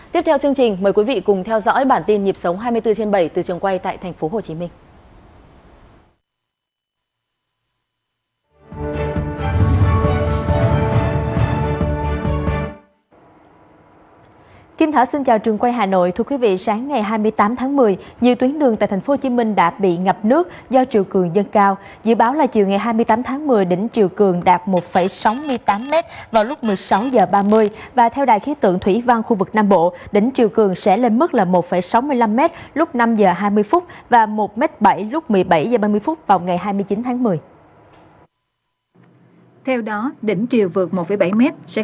tiếp theo chương trình mời quý vị cùng theo dõi bản tin nhịp sống hai mươi bốn h bảy từ trường quay tại tp hcm